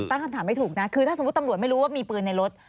ตั้งคำถามไม่ถูกนะคือถ้าสมมุติตำรวจไม่รู้ว่ามีปืนในรถ